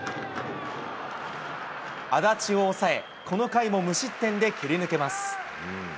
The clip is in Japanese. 安達を抑え、この回も無失点で切り抜けます。